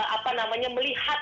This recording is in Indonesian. apa namanya melihat